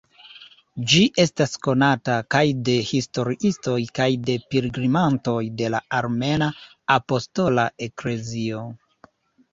Ĝi estas konata kaj de historiistoj kaj de pilgrimantoj de la Armena Apostola Eklezio.